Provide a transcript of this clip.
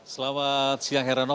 selamat siang herano